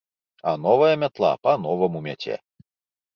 А новая мятла па-новаму мяце.